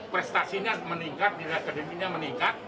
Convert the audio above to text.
prestasinya meningkat nilai akademiknya meningkat